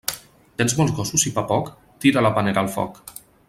Tens molts gossos i pa poc?, tira la panera al foc.